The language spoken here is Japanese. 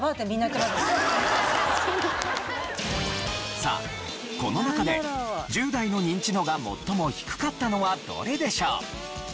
さあこの中で１０代のニンチドが最も低かったのはどれでしょう？